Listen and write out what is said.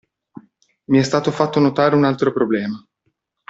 Mi è stato fatto notare un altro problema.